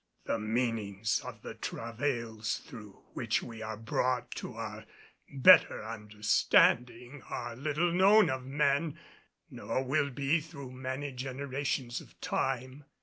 The meaning of the travails through which we are brought to our better understanding are little known of men nor will be through many generations of time.